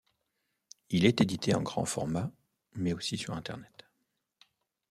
Il est édité en grand format mais aussi sur Internet.